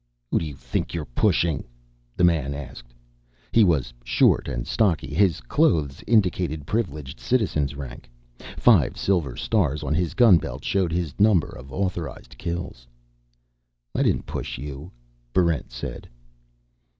"Who do you think you're pushing?" the man asked. He was short and stocky. His clothes indicated Privileged Citizen's rank. Five silver stars on his gunbelt showed his number of authorized kills. "I didn't push you," Barrent said.